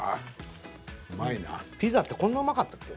ピザってこんなうまかったっけ。